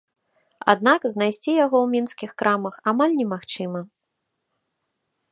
Аднак знайсці яго ў мінскіх крамах амаль не магчыма.